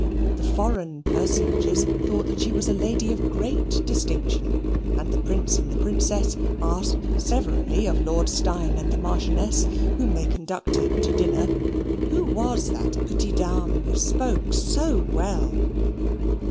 The foreign personages thought that she was a lady of great distinction, and the Prince and the Princess asked severally of Lord Steyne and the Marchioness, whom they conducted to dinner, who was that petite dame who spoke so well?